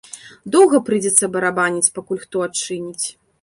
Доўга прыйдзецца барабаніць, пакуль хто адчыніць.